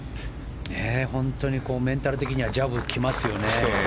本当にメンタル的にはジャブ、来ますよね。